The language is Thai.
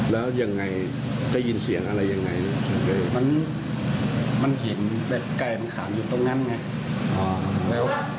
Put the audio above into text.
แล้วผมเห็นผมเห็นกันใกล้